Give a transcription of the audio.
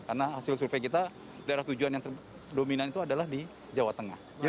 karena hasil survei kita daerah tujuan yang dominan itu adalah di jawa tengah